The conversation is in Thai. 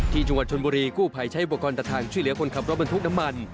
ที่จังหวัดชนบุรีกู้ภัยใช้อุปกรณ์ตัดทางช่วยเหลือคนขับรถบรรทุกน้ำมัน